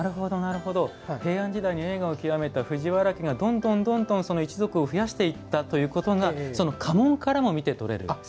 平安時代の栄華を極めた藤原家が、どんどん一族を増やしていったということが家紋からも見て取れる。